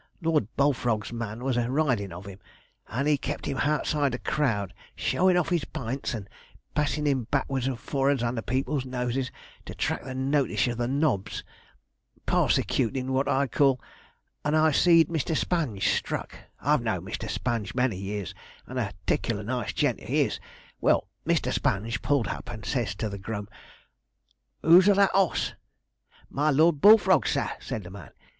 Lord Bullfrog's man was a ridin' of him, and he kept him outside the crowd, showin' off his pints, and passin' him backwards and forwards under people's noses, to 'tract the notish of the nobs parsecutin, what I call and I see'd Mr. Sponge struck I've known Mr. Sponge many years, and a 'ticklar nice gent he is well, Mr. Sponge pulled hup, and said to the grum, "Who's o' that oss?" "My Lor' Bullfrog's, sir," said the man.